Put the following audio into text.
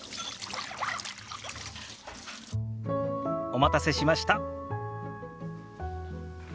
お待たせしました。